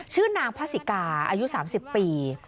ชื่อนางพระศิกาอายุ๓๐ปี